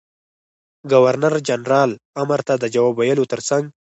ګورنر جنرال امر ته د جواب ویلو تر څنګ.